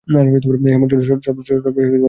হেডিংলিতে সর্বশেষ টেস্টে অংশ নেন।